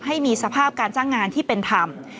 ให้มีสภาพการจังงานที่เป็นทำ